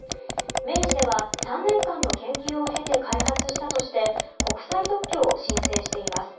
明治では３年間の研究を経て開発したとして国際特許を申請しています。